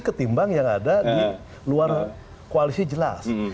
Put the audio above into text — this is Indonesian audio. ketimbang yang ada di luar koalisi jelas